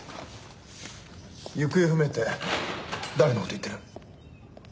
行方不明って誰の事言ってる？